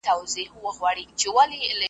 چي پخپله ځان ګمراه کړي او احتیاج سي .